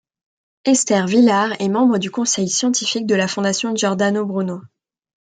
Esther Vilar est membre du conseil scientifique de la Fondation Giordano Bruno.